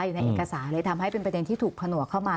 อยู่ในเอกสารเลยทำให้เป็นประเด็นที่ถูกผนวกเข้ามา